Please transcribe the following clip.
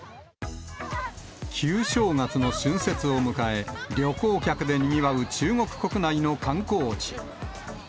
旧正月の春節を迎え、旅行客でにぎわう中国国内の観光地。